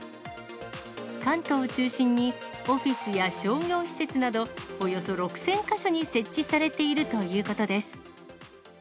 関東を中心にオフィスや商業施設など、およそ６０００か所に設置されているということです。